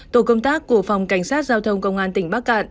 tổ công tác của phòng cảnh sát giao thông công an tỉnh bắc cạn